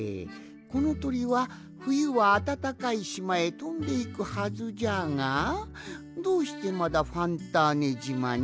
このとりはふゆはあたたかいしまへとんでいくはずじゃがどうしてまだファンターネじまに？